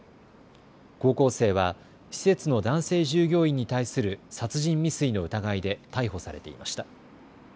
高校生は施設の男性従業員に対する殺人未遂の疑いで逮捕されていました。